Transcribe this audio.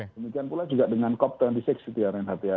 demikian pula juga dengan cop dua puluh enam di rnhta